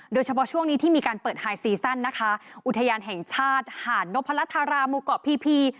โดยเฉพาะช่วงนี้ที่มีการเปิดไฮซีซั่นนะคะอุทยานแห่งชาติหาดนพลัทธารามูเกาะพีพี